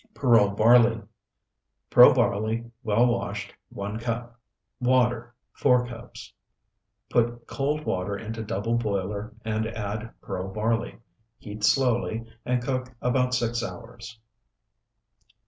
PEARL BARLEY Pearl barley, well washed, 1 cup. Water, 4 cups. Put cold water into double boiler and add pearl barley. Heat slowly and cook about six hours.